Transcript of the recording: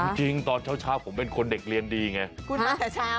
จริงจริงตอนเช้าเช้าผมเป็นคนเด็กเรียนดีเงี้ยคุณมาตั้งแต่เช้า